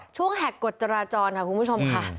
แหกกฎจราจรค่ะคุณผู้ชมค่ะ